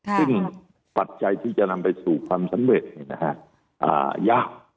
ซึ่งปัจจัยที่จะนำไปสู่ความสำเร็จยาก